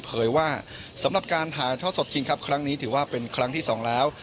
เผยว่าสำหรับการถ่ายทอดสดคิงครับครั้งนี้ถือว่าเป็นครั้งที่สองแล้ว